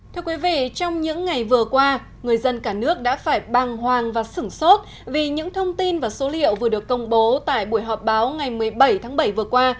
thưa quý vị trong những ngày vừa qua người dân cả nước đã phải băng hoàng và sửng sốt vì những thông tin và số liệu vừa được công bố tại buổi họp báo ngày một mươi bảy tháng bảy vừa qua